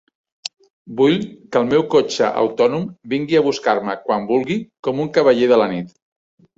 Vull que el meu cotxe autònom vingui a buscar-me quan vulgui, com un cavaller de la nit.